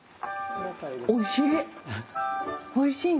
おいしい！